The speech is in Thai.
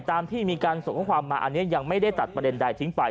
ตามที่มีการส่งข้อความมาอันนี้ยังไม่ได้ตัดประเด็นใดทิ้งไป